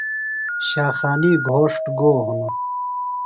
شاخانی گھوݜٹ گو ہِنوۡ؟